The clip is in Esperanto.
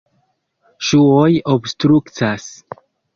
Ŝuoj obstrukcas.